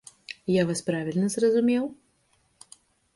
Я вас правільна зразумеў?